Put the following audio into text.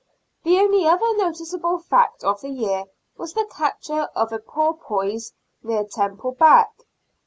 The only other noticeable fact of the year was the capture of a porpoise near Temple Back.